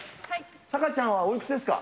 さかちゃんはおいくつですか？